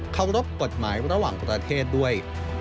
เคารพกฎหมายระหว่างประเทศด้วย